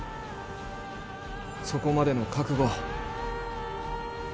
そこまでの覚悟